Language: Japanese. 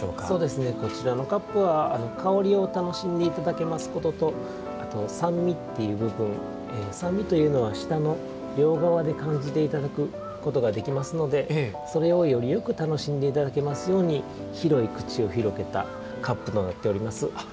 そうですねこちらのカップは香りを楽しんで頂けますこととあと酸味っていう部分酸味というのは舌の両側で感じて頂くことができますのでそれをよりよく楽しんで頂けますように広い口を広げたカップとなっております。